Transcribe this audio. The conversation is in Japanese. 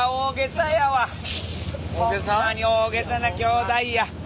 ほんまに大げさな兄弟や。